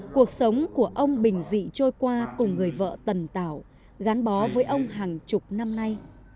cuộc sống của ông bình dị trôi qua cùng người vợ tần tảo gắn bó với ông hàng chục năm nay